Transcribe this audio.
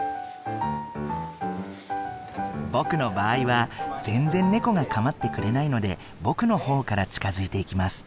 僕の場合は全然ネコが構ってくれないので僕の方から近づいていきます。